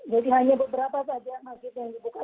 jadi hanya beberapa saja masjid yang dibuka